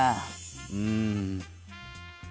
うん。